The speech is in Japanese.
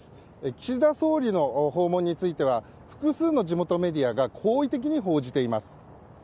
岸田総理の訪問については複数の地元メディアが好意的に報じています。